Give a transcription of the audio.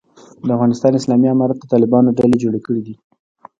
د افغانستان اسلامي امارت د طالبانو ډلې جوړ کړی دی.